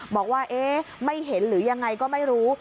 บอกว่าเอ๊ะไม่เห็นหรือยังไงก็ไม่รู้